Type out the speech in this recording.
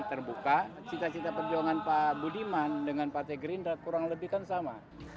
terbuka cita cita perjuangan pak budiman dengan partai gerindra kurang lebih kan sama